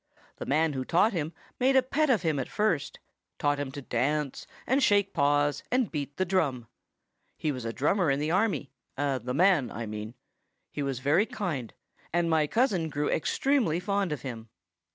The man who caught him made a pet of him at first; taught him to dance, and shake paws, and beat the drum. He was a drummer in the army,—the man, I mean. He was very kind, and my cousin grew extremely fond of him."